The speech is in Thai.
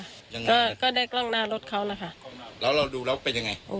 ยังไงก็ก็ได้กล้องหน้ารถเขานะคะแล้วเราดูแล้วเป็นยังไง